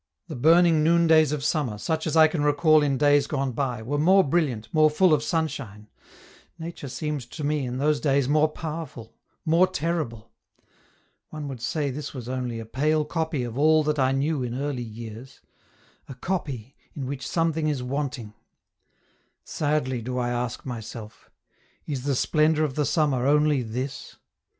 The burning noondays of summer, such as I can recall in days gone by, were more brilliant, more full of sunshine; Nature seemed to me in those days more powerful, more terrible. One would say this was only a pale copy of all that I knew in early years a copy in which something is wanting. Sadly do I ask myself Is the splendor of the summer only this?